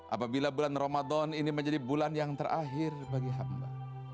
apabila bulan ramadan ini menjadi bulan yang terakhir bagi hamba